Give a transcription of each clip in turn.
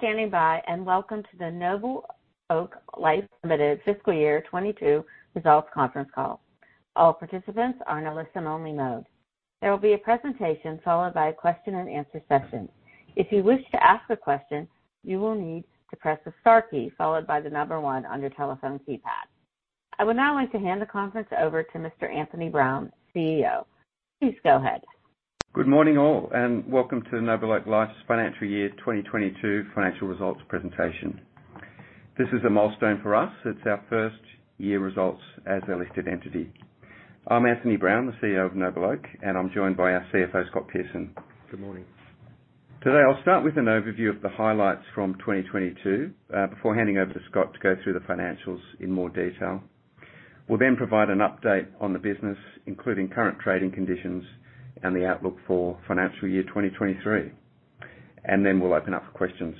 Thank you for standing by, and welcome to the NobleOak Life Limited Fiscal Year 2022 results conference call. All participants are in a listen only mode. There will be a presentation followed by a question and answer session. If you wish to ask a question, you will need to press the star key followed by the number one on your telephone keypad. I would now like to hand the conference over to Mr. Anthony Brown, CEO. Please go ahead. Good morning all, and welcome to NobleOak Life's Financial Year 2022 financial results presentation. This is a milestone for us. It's our first year results as a listed entity. I'm Anthony Brown, the CEO of NobleOak, and I'm joined by our CFO, Scott Pearson. Good morning. Today, I'll start with an overview of the highlights from 2022, before handing over to Scott to go through the financials in more detail. We'll then provide an update on the business, including current trading conditions and the outlook for financial year 2023, and then we'll open up for questions.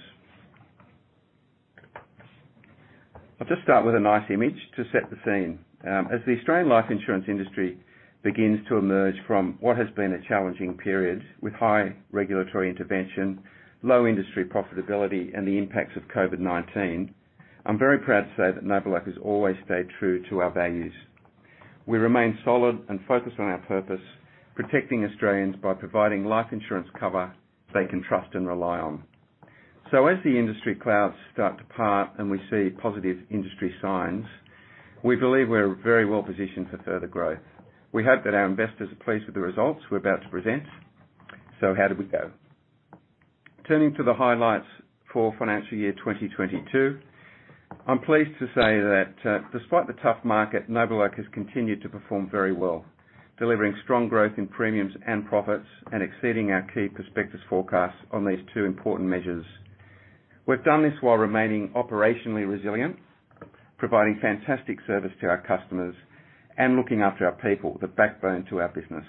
I'll just start with a nice image to set the scene. As the Australian life insurance industry begins to emerge from what has been a challenging period with high regulatory intervention, low industry profitability, and the impacts of COVID-19, I'm very proud to say that NobleOak has always stayed true to our values. We remain solid and focused on our purpose, protecting Australians by providing life insurance cover they can trust and rely on. As the industry clouds start to part and we see positive industry signs, we believe we're very well positioned for further growth. We hope that our investors are pleased with the results we're about to present. How did we go? Turning to the highlights for financial year 2022, I'm pleased to say that, despite the tough market, NobleOak has continued to perform very well, delivering strong growth in premiums and profits and exceeding our key prospectus forecasts on these two important measures. We've done this while remaining operationally resilient, providing fantastic service to our customers and looking after our people, the backbone to our business.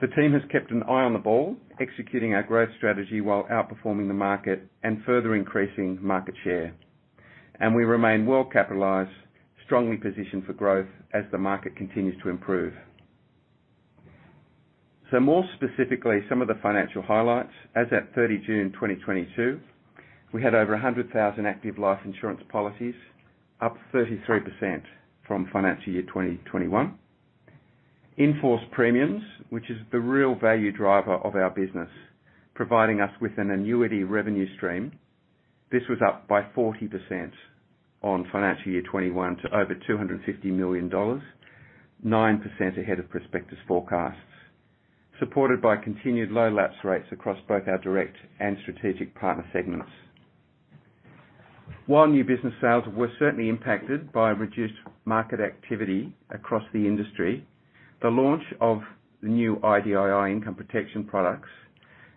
The team has kept an eye on the ball, executing our growth strategy while outperforming the market and further increasing market share. We remain well capitalized, strongly positioned for growth as the market continues to improve. More specifically, some of the financial highlights. As at 30 June 2022, we had over 100,000 active life insurance policies, up 33% from financial year 2021. In-force premiums, which is the real value driver of our business, providing us with an annuity revenue stream. This was up by 40% on financial year 2021 to over 250 million dollars, 9% ahead of prospectus forecasts, supported by continued low lapse rates across both our direct and strategic partner segments. While new business sales were certainly impacted by reduced market activity across the industry, the launch of the new IDII income protection products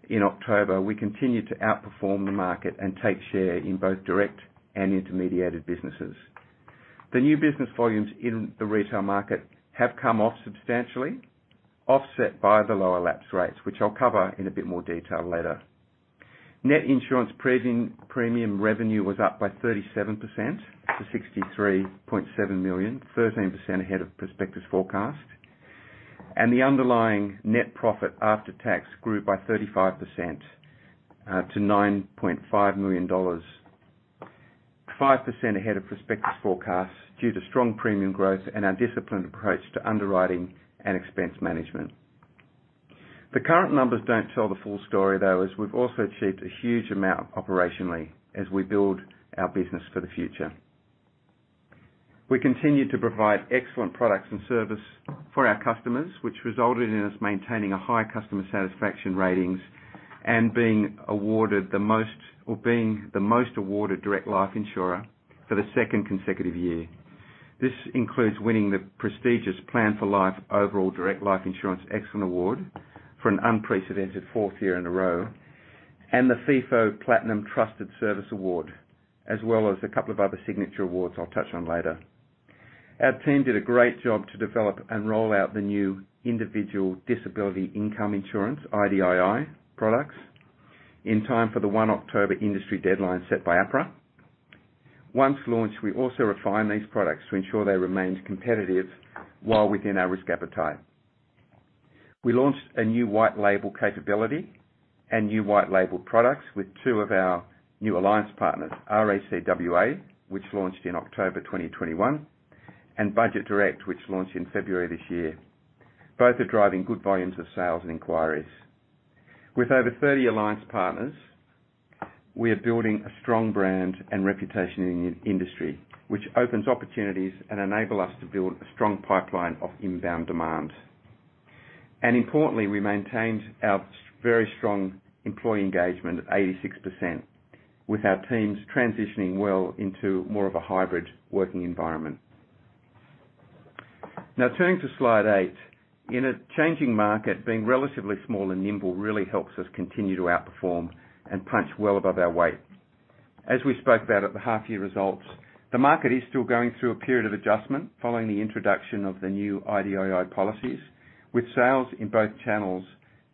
in October, we continued to outperform the market and take share in both direct and intermediated businesses. The new business volumes in the retail market have come off substantially, offset by the lower lapse rates, which I'll cover in a bit more detail later. Net insurance premium revenue was up by 37% to 63.7 million, 13% ahead of prospectus forecast. The underlying net profit after tax grew by 35% to 9.5 million dollars, 5% ahead of prospectus forecasts due to strong premium growth and our disciplined approach to underwriting and expense management. The current numbers don't tell the full story, though, as we've also achieved a huge amount operationally as we build our business for the future. We continued to provide excellent products and service for our customers, which resulted in us maintaining a high customer satisfaction ratings and being the most awarded direct life insurer for the second consecutive year. This includes winning the prestigious Plan for Life Overall Direct Life Insurance Excellence Award for an unprecedented fourth year in a row, and the Feefo Platinum Trusted Service Award, as well as a couple of other signature awards I'll touch on later. Our team did a great job to develop and roll out the new individual disability income insurance, IDII products in time for the 1 October industry deadline set by APRA. Once launched, we also refined these products to ensure they remained competitive while within our risk appetite. We launched a new white label capability and new white label products with two of our new alliance partners, RAC WA, which launched in October 2021, and Budget Direct, which launched in February this year. Both are driving good volumes of sales and inquiries. With over 30 alliance partners, we are building a strong brand and reputation in the industry, which opens opportunities and enable us to build a strong pipeline of inbound demand. Importantly, we maintained our very strong employee engagement at 86%, with our teams transitioning well into more of a hybrid working environment. Now, turning to slide eight. In a changing market, being relatively small and nimble really helps us continue to outperform and punch well above our weight. As we spoke about at the half year results, the market is still going through a period of adjustment following the introduction of the new IDII policies, with sales in both channels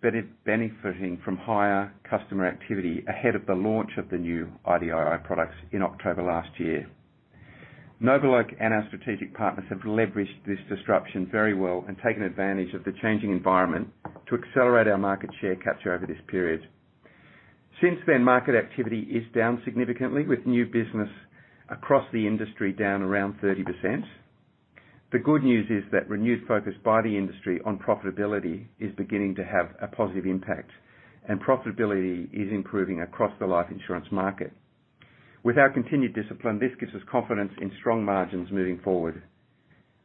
benefiting from higher customer activity ahead of the launch of the new IDII products in October last year. NobleOak and our strategic partners have leveraged this disruption very well and taken advantage of the changing environment to accelerate our market share capture over this period. Since then, market activity is down significantly, with new business across the industry down around 30%. The good news is that renewed focus by the industry on profitability is beginning to have a positive impact, and profitability is improving across the life insurance market. With our continued discipline, this gives us confidence in strong margins moving forward.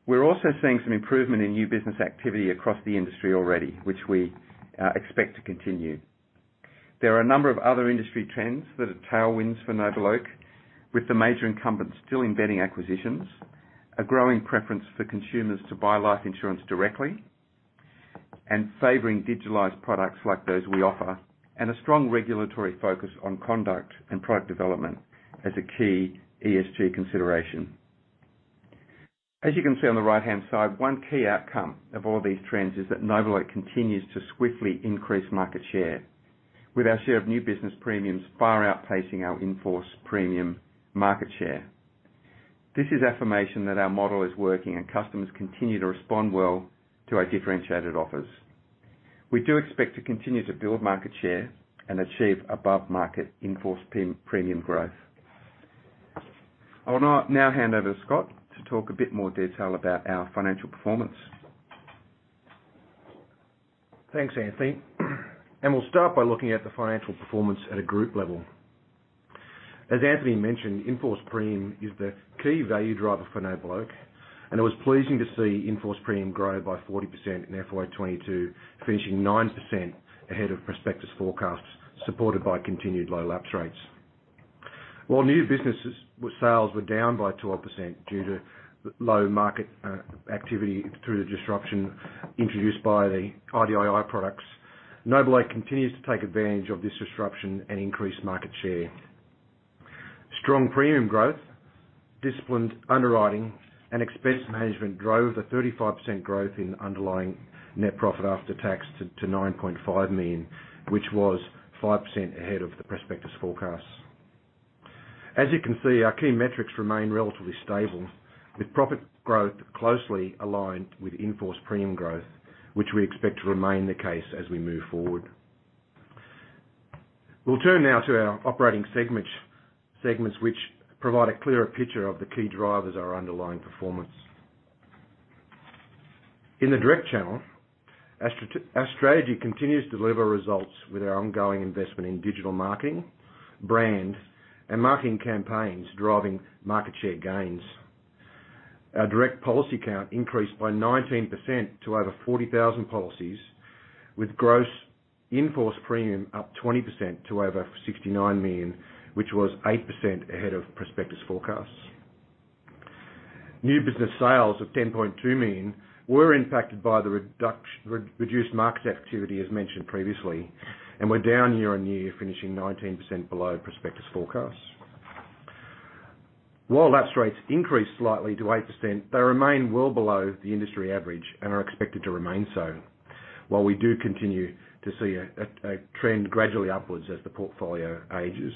We're also seeing some improvement in new business activity across the industry already, which we expect to continue. There are a number of other industry trends that are tailwinds for NobleOak, with the major incumbents still embedding acquisitions, a growing preference for consumers to buy life insurance directly, and favoring digitalized products like those we offer, and a strong regulatory focus on conduct and product development as a key ESG consideration. As you can see on the right-hand side, one key outcome of all these trends is that NobleOak continues to swiftly increase market share, with our share of new business premiums far outpacing our in-force premium market share. This is affirmation that our model is working and customers continue to respond well to our differentiated offers. We do expect to continue to build market share and achieve above-market in-force premium growth. I will now hand over to Scott to talk a bit more detail about our financial performance. Thanks, Anthony. We'll start by looking at the financial performance at a group level. As Anthony mentioned, in-force premium is the key value driver for NobleOak, and it was pleasing to see in-force premium grow by 40% in FY 2022, finishing 9% ahead of prospectus forecasts, supported by continued low lapse rates. While new businesses with sales were down by 12% due to low market activity through the disruption introduced by the IDII products, NobleOak continues to take advantage of this disruption and increase market share. Strong premium growth, disciplined underwriting, and expense management drove the 35% growth in underlying net profit after tax to 9.5 million, which was 5% ahead of the prospectus forecasts. As you can see, our key metrics remain relatively stable, with profit growth closely aligned with in-force premium growth, which we expect to remain the case as we move forward. We'll turn now to our operating segments which provide a clearer picture of the key drivers of our underlying performance. In the direct channel, our strategy continues to deliver results with our ongoing investment in digital marketing, brand, and marketing campaigns driving market share gains. Our direct policy count increased by 19% to over 40,000 policies, with gross in-force premium up 20% to over 69 million, which was 8% ahead of prospectus forecasts. New business sales of 10.2 million were impacted by the reduced market activity as mentioned previously, and were down year-on-year, finishing 19% below prospectus forecasts. While lapse rates increased slightly to 8%, they remain well below the industry average and are expected to remain so, while we do continue to see a trend gradually upwards as the portfolio ages.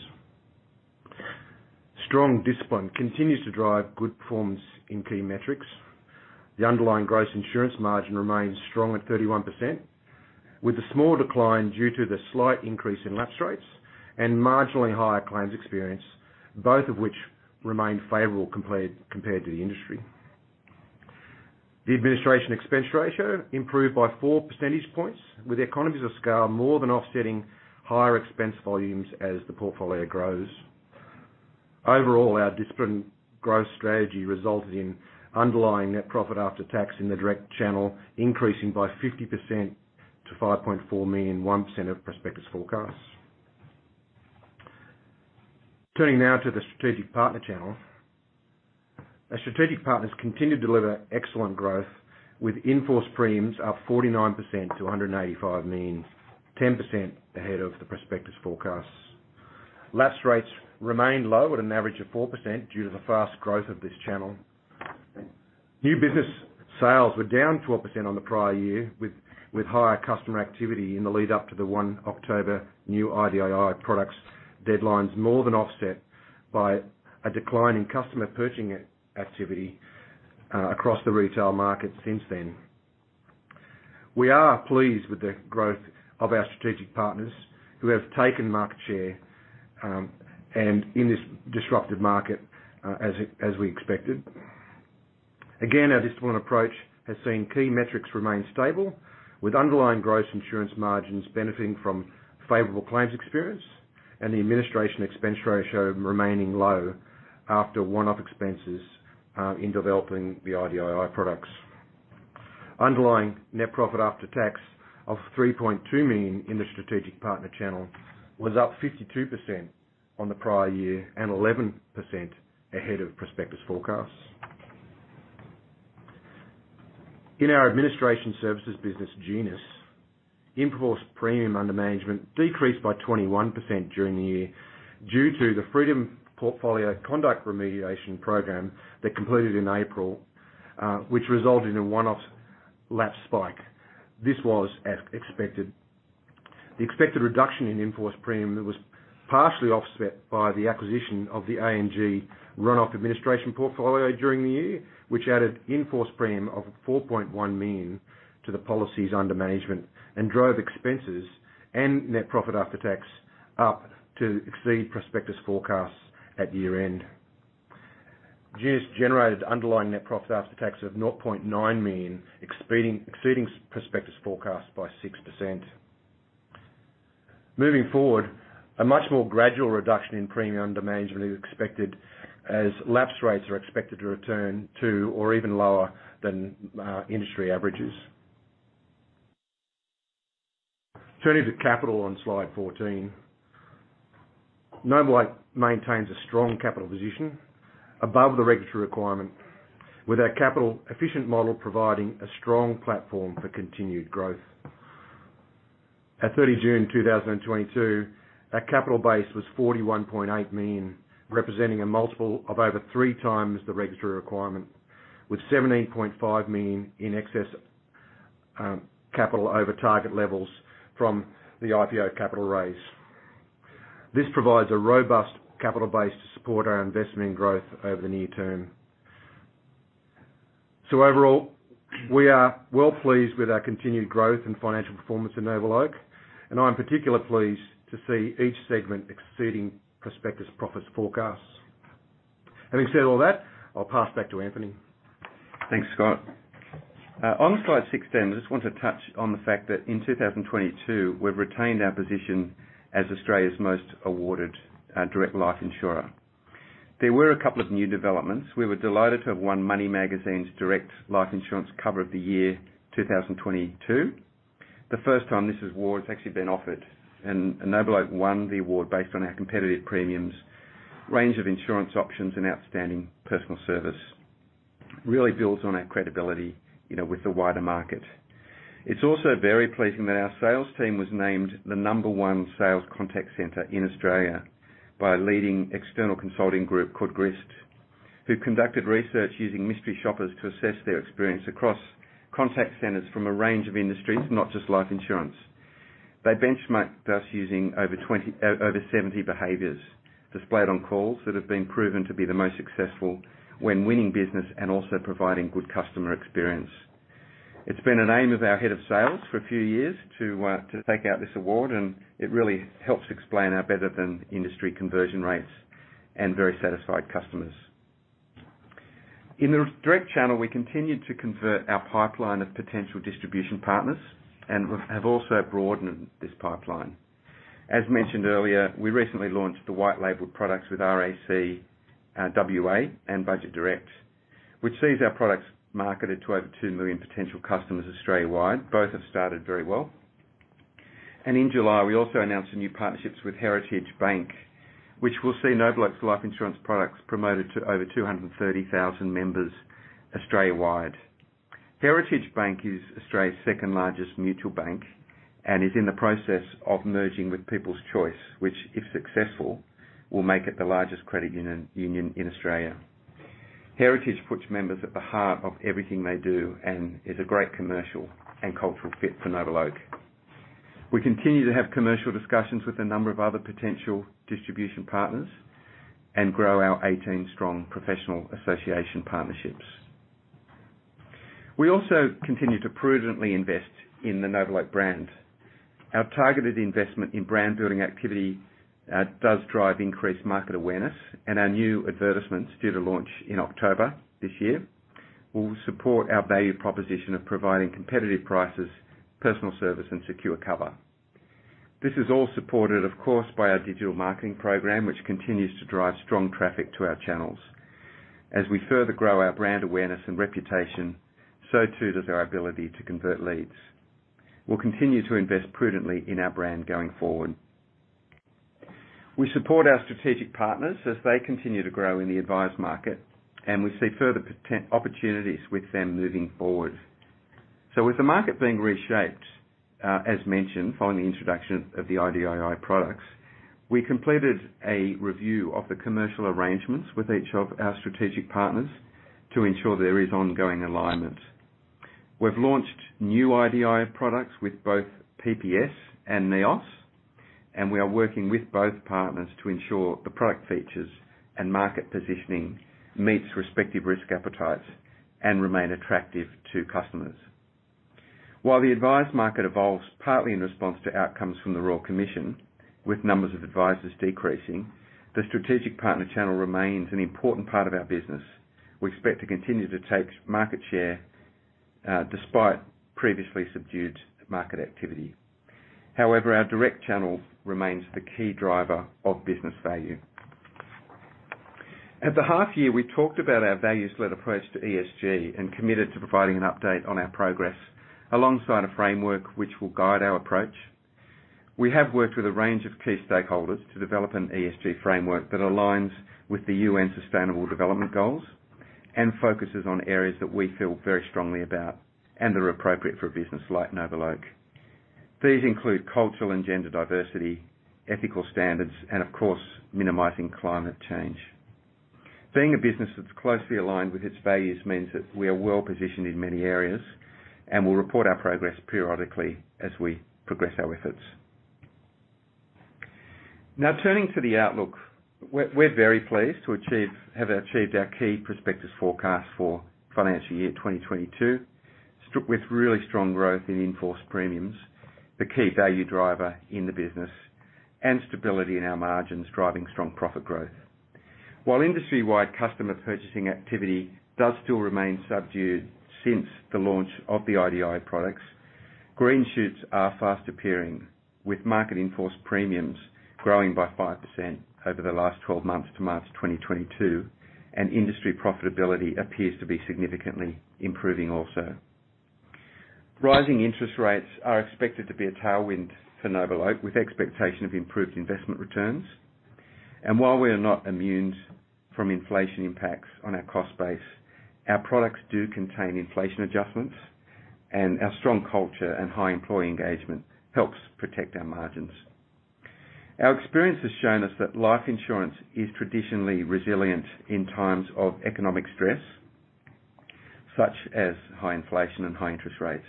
Strong discipline continues to drive good performance in key metrics. The underlying gross insurance margin remains strong at 31%, with a small decline due to the slight increase in lapse rates and marginally higher claims experience, both of which remain favorable compared to the industry. The administration expense ratio improved by four percentage points, with economies of scale more than offsetting higher expense volumes as the portfolio grows. Overall, our disciplined growth strategy resulted in underlying net profit after tax in the direct channel increasing by 50% to 5.4 million, 1% of prospectus forecasts. Turning now to the strategic partner channel. Our strategic partners continued to deliver excellent growth with in-force premiums up 49% to 185 million, 10% ahead of the prospectus forecasts. Lapse rates remained low at an average of 4% due to the fast growth of this channel. New business sales were down 12% on the prior year with higher customer activity in the lead-up to the 1 October new IDII products deadlines more than offset by a decline in customer purchasing activity across the retail market since then. We are pleased with the growth of our strategic partners who have taken market share and in this disruptive market as we expected. Again, our disciplined approach has seen key metrics remain stable, with underlying gross insurance margins benefiting from favorable claims experience and the administration expense ratio remaining low after one-off expenses in developing the IDII products. Underlying net profit after tax of 3.2 million in the strategic partner channel was up 52% on the prior year and 11% ahead of prospectus forecasts. In our administration services business, Genus, in-force premium under management decreased by 21% during the year due to the Freedom portfolio conduct remediation program that completed in April, which resulted in a one-off lapse spike. This was as expected. The expected reduction in in-force premium was partially offset by the acquisition of the Auto & General runoff administration portfolio during the year, which added in-force premium of 4.1 million to the policies under management, and drove expenses and net profit after tax up to exceed prospectus forecasts at year-end. Genus's generated underlying net profit after tax of 0.9 million, exceeding prospectus forecast by 6%. Moving forward, a much more gradual reduction in premium under management is expected as lapse rates are expected to return to or even lower than industry averages. Turning to capital on slide 14. NobleOak maintains a strong capital position above the regulatory requirement, with our capital efficient model providing a strong platform for continued growth. At 30 June 2022, our capital base was 41.8 million, representing a multiple of over 3x the regulatory requirement, with 17.5 million in excess capital over target levels from the IPO capital raise. This provides a robust capital base to support our investment growth over the near term. Overall, we are well pleased with our continued growth and financial performance at NobleOak, and I'm particularly pleased to see each segment exceeding prospectus profits forecasts. Having said all that, I'll pass back to Anthony. Thanks, Scott. On slide 16, I just want to touch on the fact that in 2022, we've retained our position as Australia's most awarded direct life insurer. There were a couple of new developments. We were delighted to have won Money Magazine's Direct Life Insurance Cover of the Year 2022. The first time this award has actually been offered, and NobleOak won the award based on our competitive premiums, range of insurance options, and outstanding personal service. Really builds on our credibility, you know, with the wider market. It's also very pleasing that our sales team was named the number one sales contact center in Australia by a leading external consulting group called Grist, who conducted research using mystery shoppers to assess their experience across contact centers from a range of industries, not just life insurance. They benchmarked us using over 20 Over 70 behaviors displayed on calls that have been proven to be the most successful when winning business and also providing good customer experience. It's been an aim of our head of sales for a few years to take out this award, and it really helps explain our better than industry conversion rates and very satisfied customers. In the direct channel, we continued to convert our pipeline of potential distribution partners and have also broadened this pipeline. As mentioned earlier, we recently launched the white label products with RAC WA and Budget Direct, which sees our products marketed to over two million potential customers Australia-wide. Both have started very well. In July, we also announced some new partnerships with Heritage Bank, which will see NobleOak's life insurance products promoted to over 230,000 members Australia-wide. Heritage Bank is Australia's second-largest mutual bank and is in the process of merging with People's Choice, which, if successful, will make it the largest credit union in Australia. Heritage puts members at the heart of everything they do and is a great commercial and cultural fit for NobleOak. We continue to have commercial discussions with a number of other potential distribution partners and grow our 18 strong professional association partnerships. We also continue to prudently invest in the NobleOak brand. Our targeted investment in brand-building activity does drive increased market awareness, and our new advertisements due to launch in October this year will support our value proposition of providing competitive prices, personal service, and secure cover. This is all supported, of course, by our digital marketing program, which continues to drive strong traffic to our channels. As we further grow our brand awareness and reputation, so too does our ability to convert leads. We'll continue to invest prudently in our brand going forward. We support our strategic partners as they continue to grow in the advice market, and we see further opportunities with them moving forward. With the market being reshaped, as mentioned following the introduction of the IDII products. We completed a review of the commercial arrangements with each of our strategic partners to ensure there is ongoing alignment. We've launched new IDII products with both PPS and NEOS, and we are working with both partners to ensure the product features and market positioning meets respective risk appetites and remain attractive to customers. While the advice market evolves partly in response to outcomes from the Royal Commission, with numbers of advisors decreasing, the strategic partner channel remains an important part of our business. We expect to continue to take market share, despite previously subdued market activity. However, our direct channel remains the key driver of business value. At the half year, we talked about our values-led approach to ESG and committed to providing an update on our progress alongside a framework which will guide our approach. We have worked with a range of key stakeholders to develop an ESG framework that aligns with the UN Sustainable Development Goals and focuses on areas that we feel very strongly about and are appropriate for a business like NobleOak. These include cultural and gender diversity, ethical standards, and of course, minimizing climate change. Being a business that's closely aligned with its values means that we are well-positioned in many areas, and we'll report our progress periodically as we progress our efforts. Now, turning to the outlook, we're very pleased to have achieved our key prospectus forecast for financial year 2022, coupled with really strong growth in in-force premiums, the key value driver in the business, and stability in our margins driving strong profit growth. While industry-wide customer purchasing activity does still remain subdued since the launch of the IDII products, green shoots are fast appearing, with market in-force premiums growing by 5% over the last 12 months to March 2022, and industry profitability appears to be significantly improving also. Rising interest rates are expected to be a tailwind for NobleOak, with expectation of improved investment returns. While we are not immune from inflation impacts on our cost base, our products do contain inflation adjustments, and our strong culture and high employee engagement helps protect our margins. Our experience has shown us that life insurance is traditionally resilient in times of economic stress, such as high inflation and high interest rates,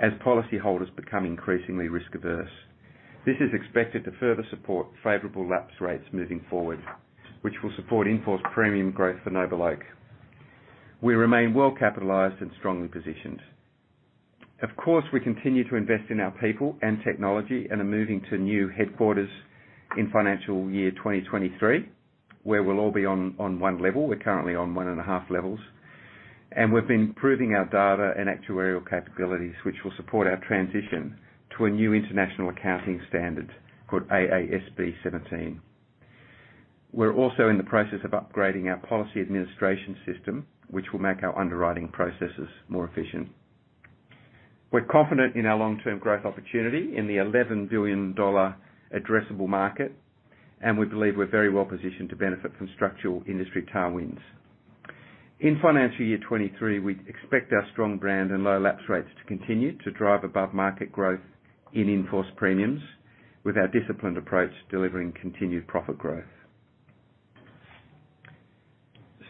as policyholders become increasingly risk averse. This is expected to further support favorable lapse rates moving forward, which will support in-force premium growth for NobleOak. We remain well-capitalized and strongly positioned. Of course, we continue to invest in our people and technology and are moving to new headquarters in financial year 2023, where we'll all be on one level. We're currently on one and a half levels. We've been improving our data and actuarial capabilities, which will support our transition to a new international accounting standard called AASB 17. We're also in the process of upgrading our policy administration system, which will make our underwriting processes more efficient. We're confident in our long-term growth opportunity in the 11 billion dollar addressable market. And we believe we're very well positioned to benefit from structural industry tailwinds. In financial year 2023, we expect our strong brand and low lapse rates to continue to drive above-market growth in in-force premiums with our disciplined approach delivering continued profit growth.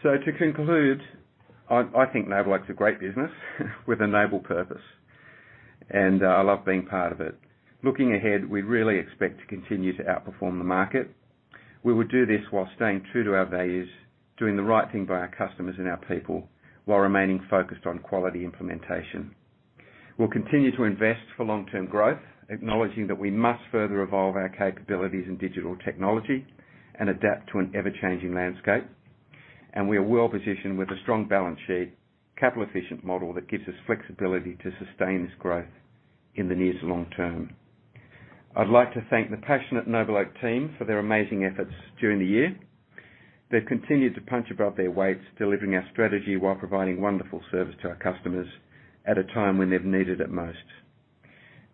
To conclude, I think NobleOak's a great business with a noble purpose, and I love being part of it. Looking ahead, we really expect to continue to outperform the market. We will do this while staying true to our values, doing the right thing by our customers and our people, while remaining focused on quality implementation. We'll continue to invest for long-term growth, acknowledging that we must further evolve our capabilities in digital technology and adapt to an ever-changing landscape. We are well positioned with a strong balance sheet, capital-efficient model that gives us flexibility to sustain this growth in the near to long term. I'd like to thank the passionate NobleOak team for their amazing efforts during the year. They've continued to punch above their weight, delivering our strategy while providing wonderful service to our customers at a time when they've needed it most.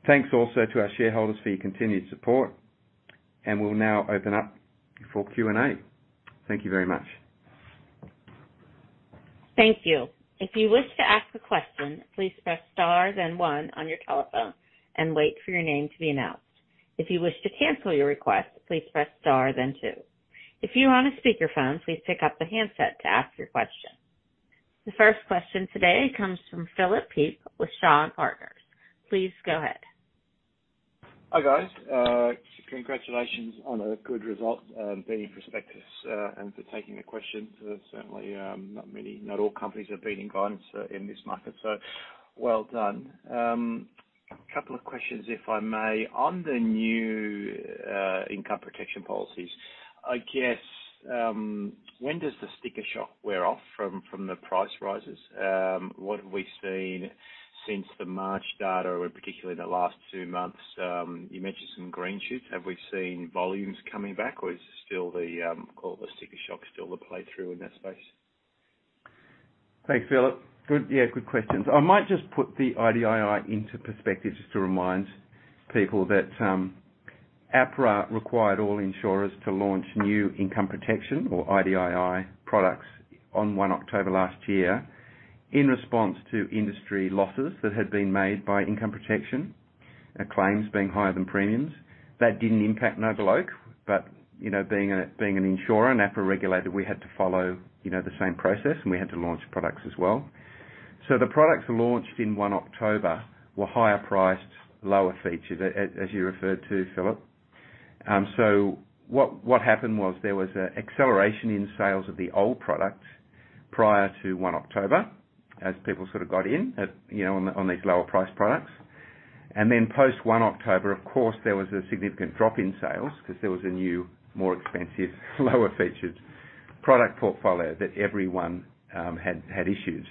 Thanks also to our shareholders for your continued support, and we'll now open up for Q&A. Thank you very much. Thank you. If you wish to ask a question, please press star then one on your telephone and wait for your name to be announced. If you wish to cancel your request, please press star then two. If you're on a speakerphone, please pick up the handset to ask your question. The first question today comes from Philip Pepe with Shaw and Partners. Please go ahead. Hi, guys. Congratulations on a good result, beating prospectus, and for taking the questions. Certainly, not many, not all companies are beating guidance in this market, so well done. A couple of questions, if I may. On the new income protection policies, I guess, when does the sticker shock wear off from the price rises? What have we seen since the March data, or particularly in the last two months, you mentioned some green shoots. Have we seen volumes coming back or is the sticker shock still the play through in that space? Thanks, Philip. Good. Yeah, good questions. I might just put the IDII into perspective just to remind people that APRA required all insurers to launch new income protection or IDII products on 1 October last year in response to industry losses that had been made by income protection claims being higher than premiums. That didn't impact NobleOak, but you know, being an insurer and APRA regulated, we had to follow you know, the same process, and we had to launch products as well. The products launched in 1 October were higher priced, lower featured, as you referred to, Philip. What happened was there was an acceleration in sales of the old product prior to 1 October as people sort of got in at you know, on these lower priced products. Post-1 October, of course, there was a significant drop in sales 'cause there was a new, more expensive, lower-featured product portfolio that everyone had issued.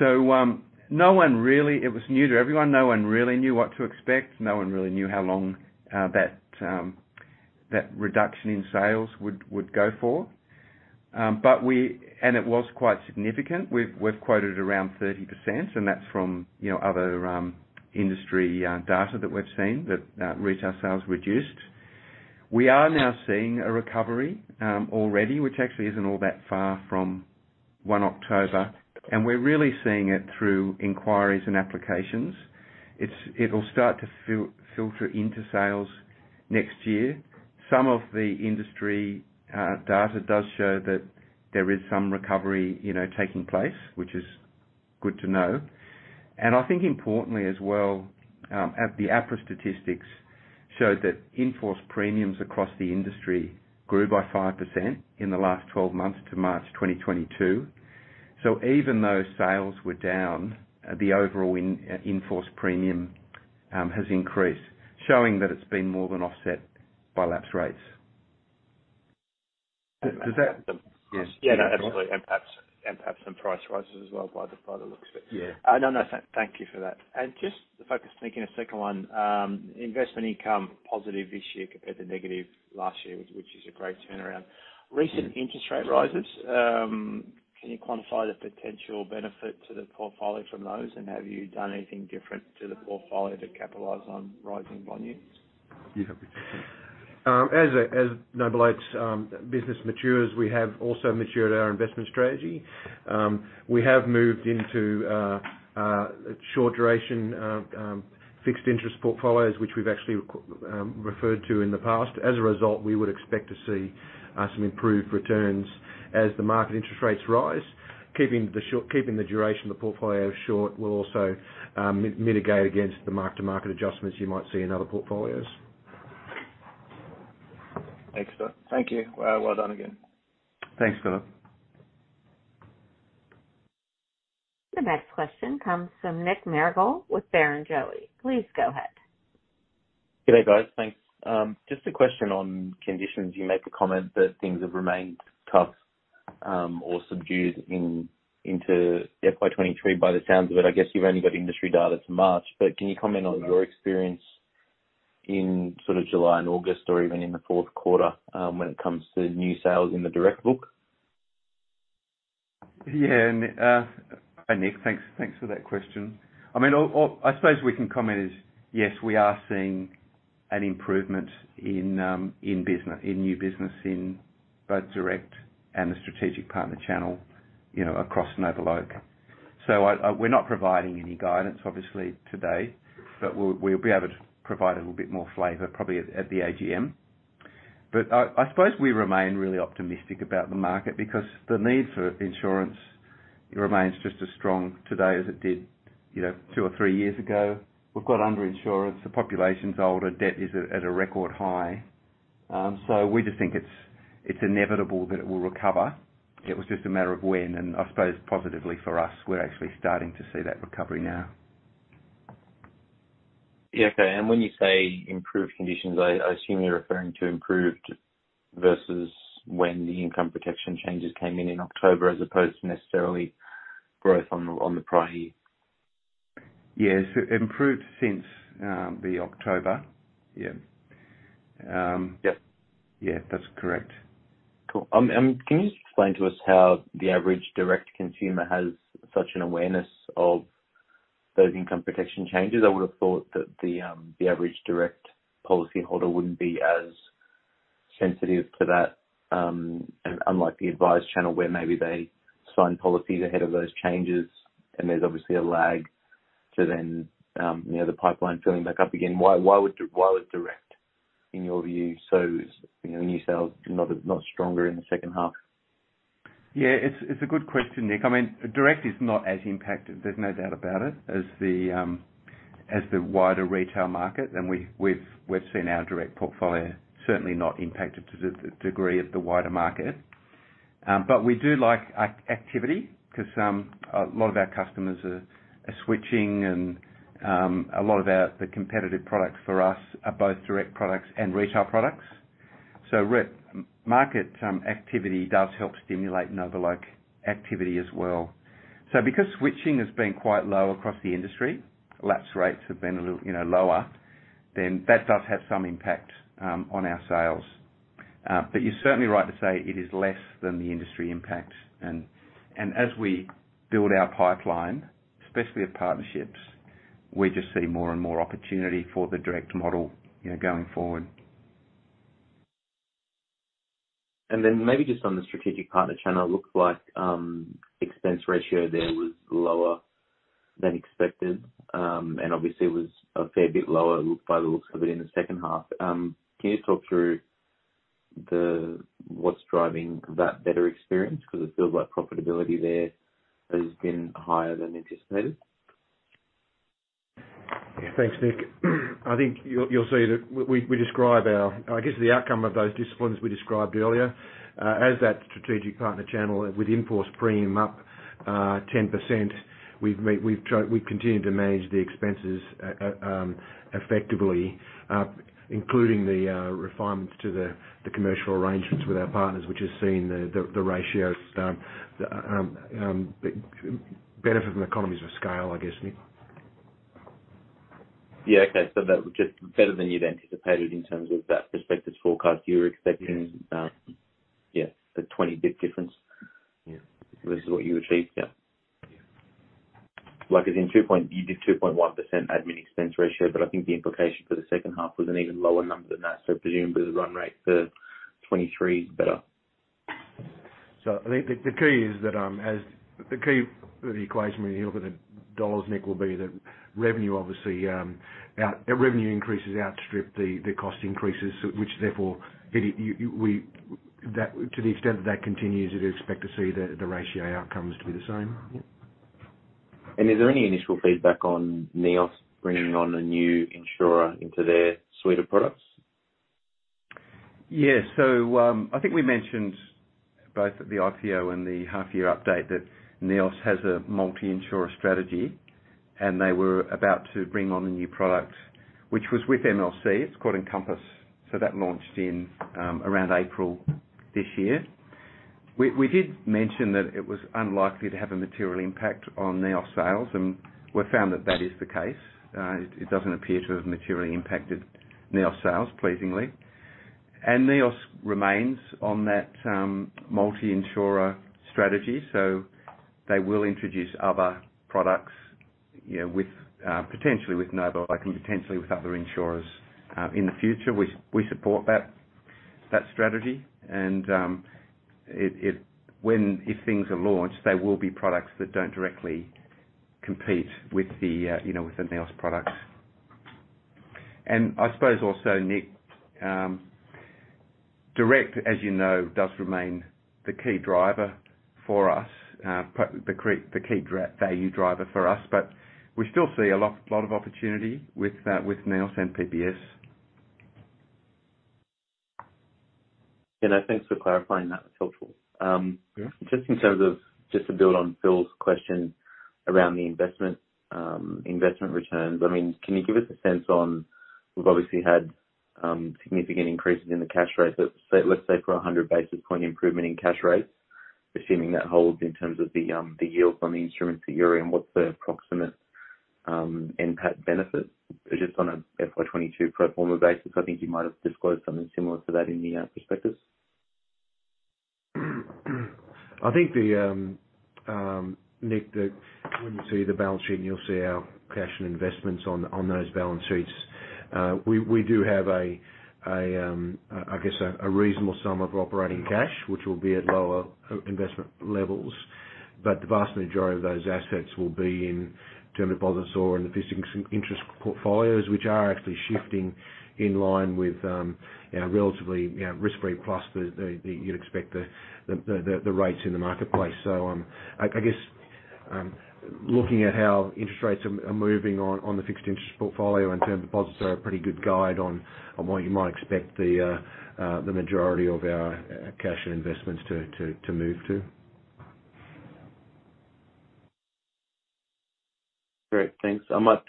It was new to everyone. No one really knew what to expect. No one really knew how long that reduction in sales would go for. It was quite significant. We've quoted around 30%, and that's from other industry data that we've seen that retail sales reduced. We are now seeing a recovery already, which actually isn't all that far from 1 October, and we're really seeing it through inquiries and applications. It'll start to filter into sales next year. Some of the industry data does show that there is some recovery, you know, taking place, which is good to know. I think importantly as well, at the APRA statistics showed that in-force premiums across the industry grew by 5% in the last twelve months to March 2022. Even though sales were down, the overall in-force premium has increased, showing that it's been more than offset by lapse rates. Does that? Yes. Yeah, absolutely. Perhaps some price rises as well by the looks of it. Yeah. No, no, thank you for that. Just the focus, thinking a second one, investment income positive this year compared to negative last year, which is a great turnaround. Recent interest rate rises, can you quantify the potential benefit to the portfolio from those? Have you done anything different to the portfolio to capitalize on rising volumes? Yeah. As NobleOak's business matures, we have also matured our investment strategy. We have moved into short duration fixed interest portfolios, which we've actually referred to in the past. As a result, we would expect to see some improved returns as the market interest rates rise. Keeping the duration of the portfolio short will also mitigate against the mark-to-market adjustments you might see in other portfolios. Thanks, sir. Thank you. Well done again. Thanks, Philip. The next question comes from Nick McGarrigle with Barrenjoey. Please go ahead. Good day, guys. Thanks. Just a question on conditions. You made the comment that things have remained tough, or subdued into FY 2023. By the sounds of it, I guess you've only got industry data to March. Can you comment on your experience in sort of July and August or even in the fourth quarter, when it comes to new sales in the direct book? Yeah, hi, Nick. Thanks for that question. I mean, all we can comment is, yes, we are seeing an improvement in new business in both direct and the strategic partner channel, you know, across NobleOak. We're not providing any guidance, obviously, today, but we'll be able to provide a little bit more flavor probably at the AGM. I suppose we remain really optimistic about the market because the need for insurance remains just as strong today as it did, you know, two or three years ago. We've got under-insurance, the population's older, debt is at a record high. We just think it's inevitable that it will recover. It was just a matter of when, and I suppose positively for us, we're actually starting to see that recovery now. Yeah. Okay, when you say improved conditions, I assume you're referring to improved versus when the income protection changes came in in October, as opposed to necessarily growth on the prior year. Yes. Improved since the October. Yeah. Yep. Yeah, that's correct. Cool. Can you explain to us how the average direct consumer has such an awareness of those income protection changes? I would've thought that the average direct policyholder wouldn't be as sensitive to that, unlike the advised channel, where maybe they sign policies ahead of those changes and there's obviously a lag to then, you know, the pipeline filling back up again. Why was direct, in your view, so, you know, new sales not stronger in the second half? Yeah. It's a good question, Nick. I mean, direct is not as impacted, there's no doubt about it, as the wider retail market. We've seen our direct portfolio certainly not impacted to the degree of the wider market. We do like activity 'cause a lot of our customers are switching and a lot of the competitive products for us are both direct products and retail products. Market activity does help stimulate NobleOak activity as well. Because switching has been quite low across the industry, lapse rates have been a little, you know, lower than that does have some impact on our sales. You're certainly right to say it is less than the industry impact. As we build our pipeline, especially of partnerships, we just see more and more opportunity for the direct model, you know, going forward. Maybe just on the strategic partner channel, it looks like expense ratio there was lower than expected. Obviously was a fair bit lower, look by the looks of it, in the second half. Can you talk through what's driving that better experience? 'Cause it feels like profitability there has been higher than anticipated. Yeah. Thanks, Nick. I think you'll see that we describe our I guess the outcome of those disciplines we described earlier, as that strategic partner channel with in-force premium up 10%, we've continued to manage the expenses effectively, including the refinements to the commercial arrangements with our partners, which has seen the ratios benefit from economies of scale, I guess, Nick. Yeah. Okay. That was just better than you'd anticipated in terms of that prospective forecast you were expecting, yeah, the 20 bit difference. Yeah. versus what you achieved. Yeah. Like I said, you did 2.1% admin expense ratio, but I think the implication for the second half was an even lower number than that. Presumably the run rate for 2023 is better. The key for the equation when you look at the dollars, Nick, will be the revenue, obviously. Our revenue increases outstrip the cost increases, which therefore, to the extent that that continues, you'd expect to see the ratio outcomes to be the same. Is there any initial feedback on NEOS bringing on a new insurer into their suite of products? Yeah. I think we mentioned both at the IPO and the half year update that NEOS has a multi-insurer strategy, and they were about to bring on a new product, which was with MLC. It's called Encompass. That launched in around April this year. We did mention that it was unlikely to have a material impact on NEOS sales, and we found that is the case. It doesn't appear to have materially impacted NEOS sales, pleasingly. NEOS remains on that multi-insurer strategy, so they will introduce other products, you know, with potentially with NobleOak and potentially with other insurers in the future. We support that strategy. If things are launched, they will be products that don't directly compete with the, you know, with the NEOS products. I suppose also, Nick, Budget Direct, as you know, does remain the key value driver for us. We still see a lot of opportunity with NEOS and PPS. You know, thanks for clarifying that. That's helpful. Yeah. Just in terms of just to build on Phil's question around the investment returns. I mean, can you give us a sense of. We've obviously had significant increases in the cash rates, say, let's say for 100 basis point improvement in cash rates, assuming that holds in terms of the yields on the instruments that you're in, what's the approximate NPAT benefit? Just on a FY 22 pro forma basis, I think you might have disclosed something similar to that in the prospectus. I think, Nick, when you see the balance sheet and you'll see our cash and investments on those balance sheets. We do have, I guess, a reasonable sum of operating cash, which will be at lower investment levels. But the vast majority of those assets will be in term deposits or in the fixed interest portfolios, which are actually shifting in line with, you know, relatively risk-free plus the rates you'd expect in the marketplace. I guess, looking at how interest rates are moving on the fixed interest portfolio and term deposits are a pretty good guide on what you might expect the majority of our cash and investments to move to. Great. Thanks. I might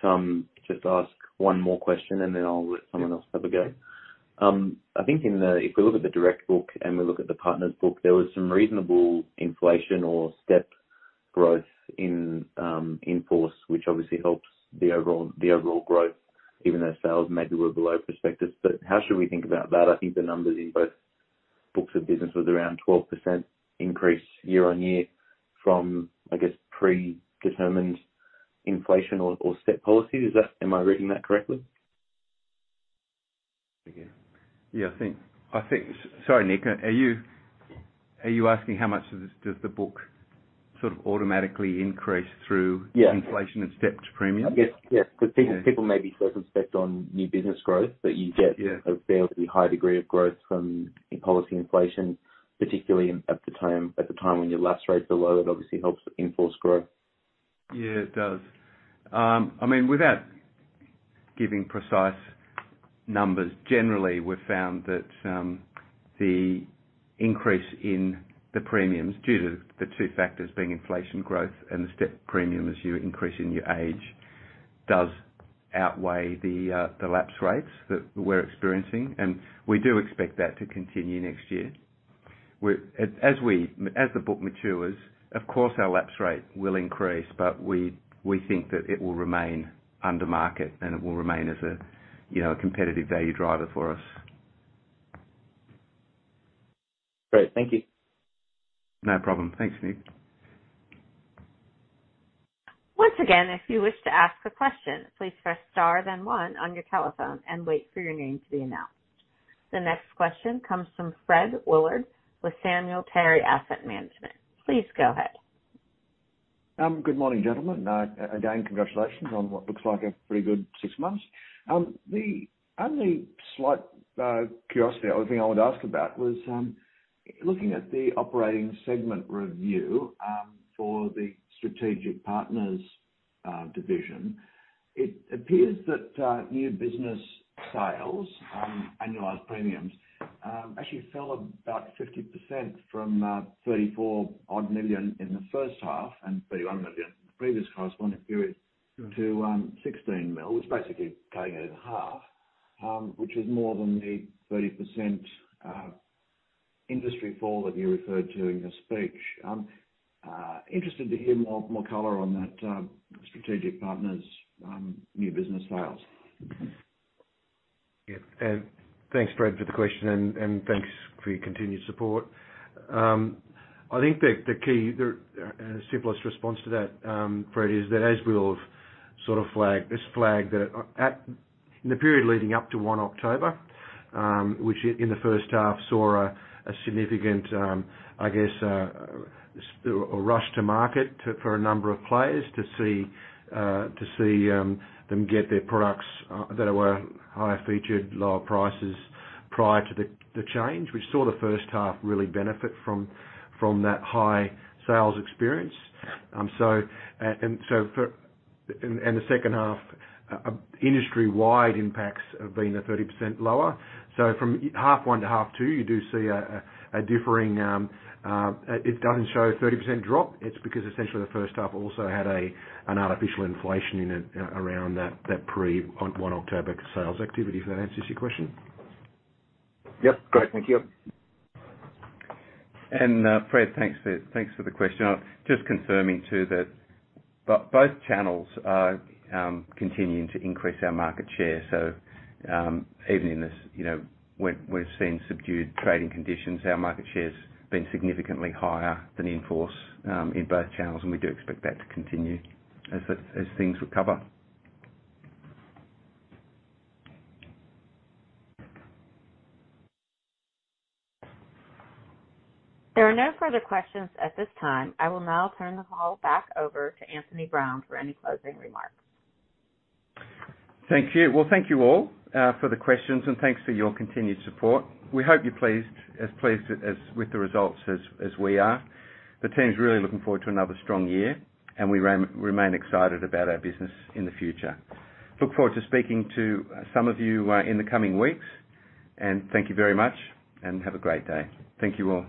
just ask one more question, and then I'll let someone else have a go. I think if we look at the Direct book and we look at the partners book, there was some reasonable inflation or step growth in in force, which obviously helps the overall growth, even though sales maybe were below prospectus. But how should we think about that? I think the numbers in both books of business was around 12% increase year-on-year from, I guess, predetermined inflation or step policy. Is that? Am I reading that correctly? Yeah, I think, sorry, Nick, are you asking how much does the book sort of automatically increase through- Yeah. Inflation and stepped premiums? Yes. Yes. Yeah. 'Cause people may be circumspect on new business growth. Yeah. You get a fairly high degree of growth from policy inflation, particularly at the time when your lapse rates are low. That obviously helps the in-force growth. Yeah, it does. I mean, without giving precise numbers, generally, we've found that the increase in the premiums due to the two factors, being inflation growth and the step premium as you're increasing your age, does outweigh the lapse rates that we're experiencing. We do expect that to continue next year. As the book matures, of course our lapse rate will increase, but we think that it will remain under market and it will remain as a, you know, a competitive value driver for us. Great. Thank you. No problem. Thanks, Nick. Once again, if you wish to ask a question, please press star then one on your telephone and wait for your name to be announced. The next question comes from Fred Woollard with Samuel Terry Asset Management. Please go ahead. Good morning, gentlemen. Again, congratulations on what looks like a pretty good six months. The only slight curiosity, only thing I would ask about was looking at the operating segment review for the strategic partners division. It appears that new business sales annualized premiums actually fell about 50% from 34-odd million in the first half and 31 million the previous corresponding period to 16 million. It's basically cutting it in half, which is more than the 30% industry fall that you referred to in your speech. Interested to hear more color on that strategic partners new business sales. Yeah. Thanks, Fred, for the question and thanks for your continued support. I think that the key, the simplest response to that, Fred, is that as we have sort of flagged, it's flagged that in the period leading up to 1 October, which in the first half saw a significant, I guess, a rush to market for a number of players to see them get their products that were higher featured, lower prices prior to the change. We saw the first half really benefit from that high sales experience. The second half, industry-wide impacts have been 30% lower. From half one to half two, you do see a differing. It doesn't show a 30% drop. It's because essentially the first half also had artificial inflation in it around that pre-1 October sales activity. If that answers your question. Yep. Great. Thank you. Fred, thanks for the question. Just confirming too that both channels are continuing to increase our market share. Even in this, you know, we're seeing subdued trading conditions, our market share has been significantly higher than in force in both channels, and we do expect that to continue as things recover. There are no further questions at this time. I will now turn the call back over to Anthony Brown for any closing remarks. Thank you. Well, thank you all for the questions, and thanks for your continued support. We hope you're as pleased as we are with the results. The team's really looking forward to another strong year, and we remain excited about our business in the future. Look forward to speaking to some of you in the coming weeks. Thank you very much, and have a great day. Thank you all.